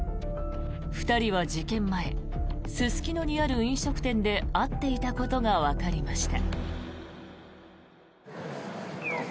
２人は事件前すすきのにある飲食店で会っていたことがわかりました。